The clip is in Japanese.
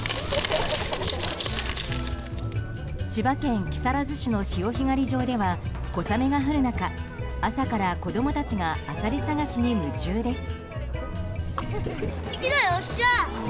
千葉県木更津市の潮干狩り場では小雨が降る中朝から子供たちがアサリ探しに夢中です。